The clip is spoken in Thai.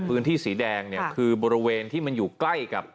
พื้นที่สีแดงเนี่ยคือบริเวณที่มันอยู่ใกล้กับ